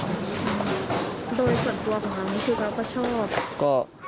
โดยส่วนตัวของคุณพ่อก็ชอบ